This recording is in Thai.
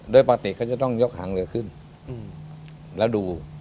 โดยปกติเขาจะต้องยกหางเรือขึ้นแล้วดู